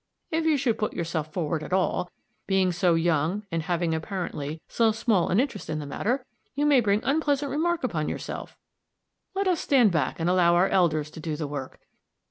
If you should put yourself forward at all, being so young, and having, apparently, so small an interest in the matter, you may bring unpleasant remark upon yourself. Let us stand back and allow our elders to do the work.